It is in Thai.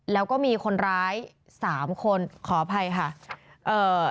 แล้วก็มีคนร้ายสามคนขออภัยค่ะเอ่อ